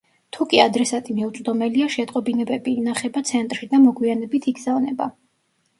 თუკი ადრესატი მიუწვდომელია, შეტყობინებები ინახება ცენტრში და მოგვიანებით იგზავნება.